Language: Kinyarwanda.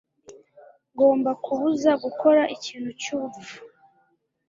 Ngomba kubuza gukora ikintu cyubupfu.